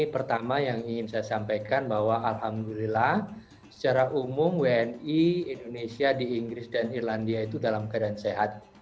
pertama yang ingin saya sampaikan bahwa alhamdulillah secara umum wni indonesia di inggris dan irlandia itu dalam keadaan sehat